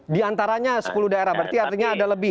diantaranya sepuluh daerah berarti artinya ada lebih